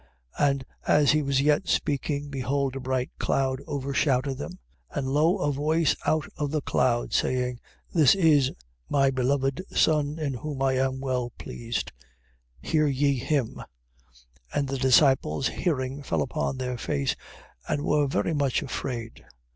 17:5. And as he was yet speaking, behold a bright cloud overshadowed them. And lo a voice out of the cloud, saying: This is my beloved Son, in whom I am well pleased: hear ye him. 17:6. And the disciples hearing fell upon their face, and were very much afraid.